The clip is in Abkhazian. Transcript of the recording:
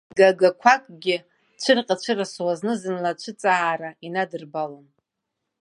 Гагақәакгьы цәырҟьа-цәырасуа, зны-зынла ацәыҵаара инадырбалон.